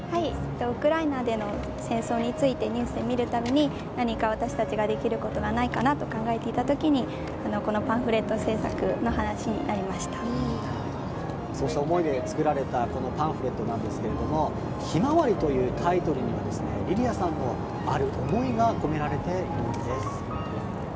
ウクライナでの戦争についてニュースで見るたびに何か私たちができることがないかなと考えていた時にこのパンフレット製作のそうした思いで作られたパンフレットなんですが「ひまわり」というタイトルにはリリアさんのある思いが込められているんです。